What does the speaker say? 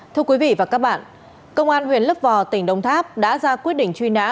thưa quý vị và các bạn công an huyện lấp vò tỉnh đông tháp đã ra quyết định truy nã